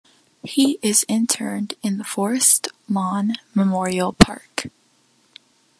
He is interred in the Forest Lawn Memorial Park.